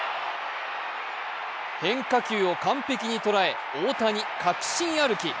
変化球を完璧に捉え大谷、確信歩き。